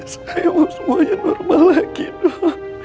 saya mau semuanya normal lagi dok